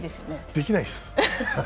できないです。